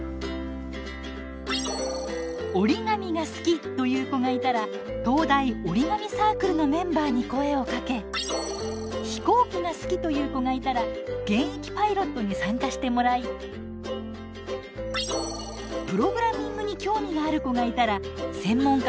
折り紙が好きという子がいたら東大折り紙サークルのメンバーに声をかけ飛行機が好きという子がいたら現役パイロットに参加してもらいプログラミングに興味がある子がいたら専門家を探して引き合わせました。